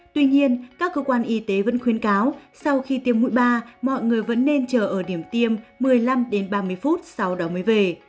tuy nhiên các cơ quan y tế vẫn khuyến cáo sau khi tiêm mũi ba mọi người vẫn nên chờ ở điểm tiêm một mươi năm đến ba mươi phút sau đó mới về